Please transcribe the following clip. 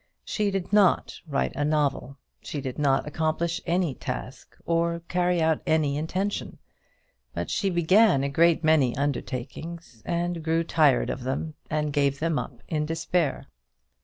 She did not write a novel. She did not accomplish any task, or carry out any intention; but she began a great many undertakings, and grew tired of them, and gave them up in despair.